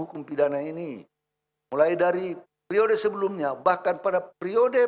hukum pidana ini mulai dari periode sebelumnya bahkan pada periode